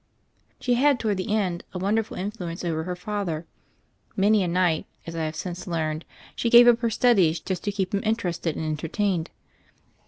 She had, toward the end, a wonderful influence over her father. Many a night, as I have since learned, she gave up her studies just to keep him inter ested and entertained.